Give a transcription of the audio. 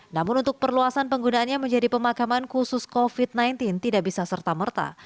namun untuk perluasan penggunaannya menjadi pemakaman khusus covid sembilan belas tidak bisa serta merta